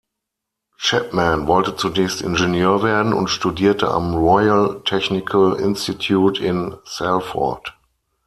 Chapman wollte zunächst Ingenieur werden und studierte am Royal Technical Institute in Salford.